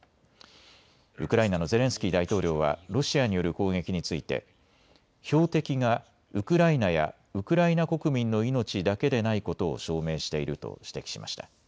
ウクライナのゼレンスキー大統領はロシアによる攻撃について標的がウクライナやウクライナ国民の命だけでないことを証明していると指摘しました。